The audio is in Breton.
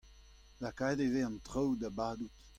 Lakaet e vez an traoù da badout.